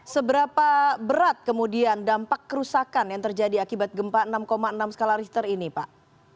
seberapa berat kemudian dampak kerusakan yang terjadi akibat gempa enam enam skala richter ini pak